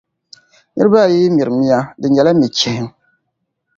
Niriba ayi yi mira mia di nyɛla mia chihiŋ.